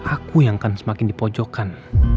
aku yang akan semakin dipojokkan